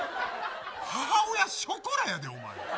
母親ショコラやで。